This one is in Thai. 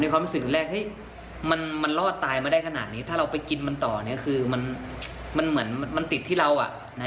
ตรงนั้นถ้าเราไปผ่านมันต่อก็จะเหมือนติดที่เราอ่ะ